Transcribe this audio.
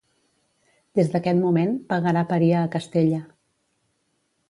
Des d’aquest moment pagarà paria a Castella.